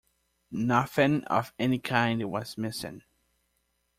Nothing of any kind was missing.